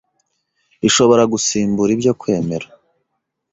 ishobora gusimbura ibyo kwemera